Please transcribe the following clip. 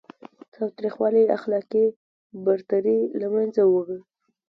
تاوتریخوالی اخلاقي برتري له منځه وړي.